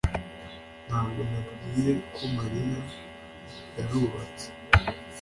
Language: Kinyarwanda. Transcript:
Ntabwo nabwiye ko Mariya yarubatse